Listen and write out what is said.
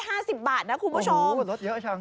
นี่ลดได้๕๐บาทนะคุณผู้ชมโอ้โฮลดเยอะจัง